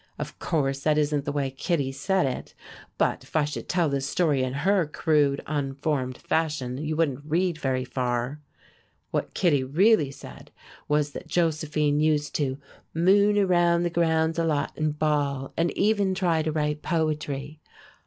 Of course that isn't the way Kittie said it, but if I should tell this story in her crude, unformed fashion, you wouldn't read very far. What Kittie really said was that Josephine used to "moon around the grounds a lot and bawl, and even try to write poetry."